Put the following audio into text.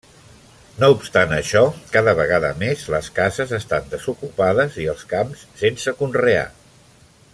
No obstant això, cada vegada més, les cases estan desocupades, i els camps sense conrear.